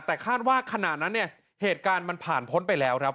แต่คาดว่าขณะนั้นเนี่ยเหตุการณ์มันผ่านพ้นไปแล้วครับ